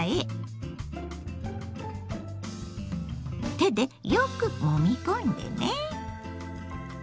手でよくもみ込んでね。